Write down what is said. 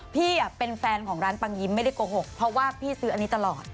พี่เป็นแฟนของร้านปังยิ้มไม่ได้โกหกเพราะว่าพี่ซื้ออันนี้ตลอด